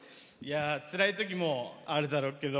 つらいときもあるだろうけど。